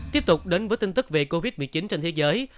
tiếp tục đến với tin tức về covid một mươi chín trên thế giới